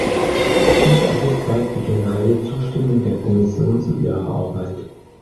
Dies alles zeigt die generelle Zustimmung der Kommission zu Ihrer Arbeit.